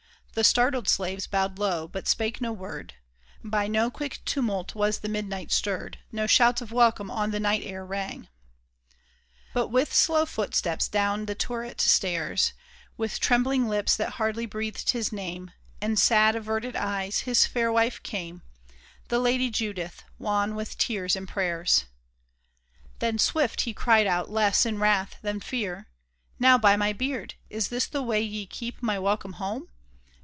The startled slaves bowed low, but spake no word ; By no quick tumult was the midnight stirred. No shouts of welcome on the night air rang ! RABBI BENAIAH 20/ But with slow footsteps down the turret stairs, With trembUng lips that hardly breathed his name, And sad, averted eyes, his fair wife came — The lady Judith — wan with tears and prayers. Then swift he cried out, less in wrath than fear, " Now, by my beard ! is this the way ye keep My welcome home